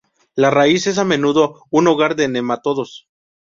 La raíz es a menudo un hogar de nematodos.